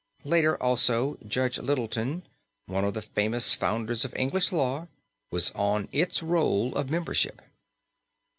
Later, also, Judge Littleton, one of the famous founders of English law, was on its roll of membership.